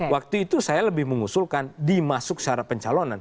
waktu itu saya lebih mengusulkan di masuk syarat pencalonan